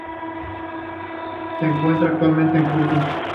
Se encuentra actualmente en curso.